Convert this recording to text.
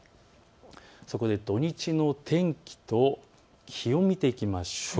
そこで土日の天気と気温を見ていきましょう。